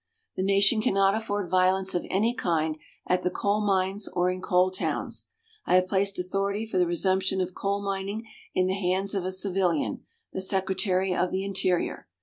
The nation cannot afford violence of any kind at the coal mines or in coal towns. I have placed authority for the resumption of coal mining in the hands of a civilian, the Secretary of the Interior.